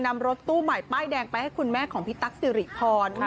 นำรถตู้ใหม่ป้ายแดงไปให้คุณแม่ของพี่ตั๊กสิริพร